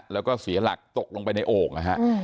แล้วก็เสียหลักตกลงไปในโอ่งนะฮะ